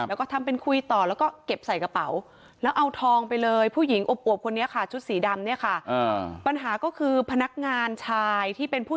แล้วก็ทำเป็นคุยต่อแล้วก็เก็บใส่กระเป๋าแล้วเอาทองไปเลย